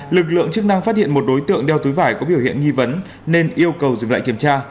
lực lượng chức năng phát hiện một đối tượng đeo túi vải có biểu hiện nghi vấn nên yêu cầu dừng lại kiểm tra